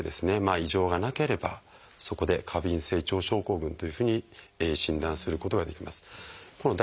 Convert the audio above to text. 異常がなければそこで「過敏性腸症候群」というふうに診断することができます。